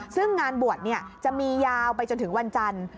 ซึ่งงานบวชจะมียาวไปจนถึงวันจันทร์